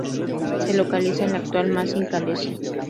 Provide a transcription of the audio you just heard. Se localiza en la actual Mazin-Kalessi.